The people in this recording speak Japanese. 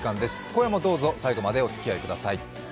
今夜もどうぞ最後までおつきあいください。